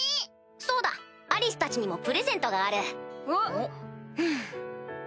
そうだアリスたちにもプレゼントがある。